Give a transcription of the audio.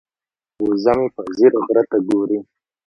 وزه مې په ځیر غره ته ګوري.